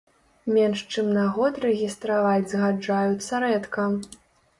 Менш чым на год рэгістраваць згаджаюцца рэдка.